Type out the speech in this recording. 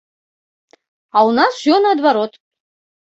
А ў нас усё наадварот!